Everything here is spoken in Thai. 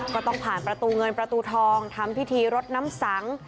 ก็ต้องผ่านประตูเงินประตูทองทำพิธีรดน้ำสัง